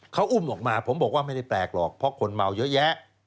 เขาอุ้มออกมาผมบอกว่าไม่ได้แปลกหรอกเพราะคนเมาเยอะแยะ